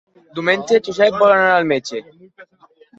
Diumenge en Josep vol anar al metge.